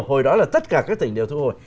hồi đó là tất cả các tỉnh đều thu hồi